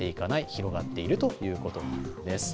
広がっているということなんです。